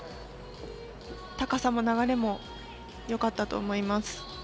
高さも流れもよかったと思います。